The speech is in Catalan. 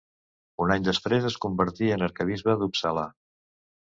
Un any després es convertí en arquebisbe d'Uppsala.